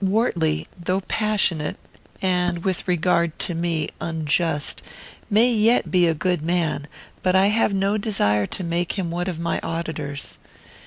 "Wortley, though passionate, and, with regard to me, unjust, may yet be a good man; but I have no desire to make him one of my auditors.